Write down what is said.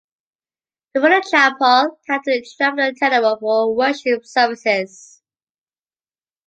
Before the chapel, they had to travel to Tenero for worship services.